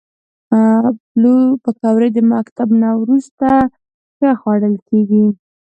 پکورې د مکتب نه وروسته ښه خوړل کېږي